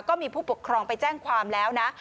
ก็มีผู้ปกครองไปแจ้งความแล้วนะ